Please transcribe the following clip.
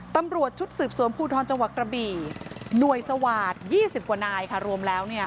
ตำรวจชุดสืบสวมผู้ท้อนจังหวักกระบีหน่วยสวาด๒๐กว่านายค่ะรวมแล้วเนี่ย